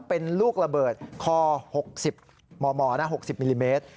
เป็นลูกระเบิดคอ๖๐ม๖๐มิลลิเมตร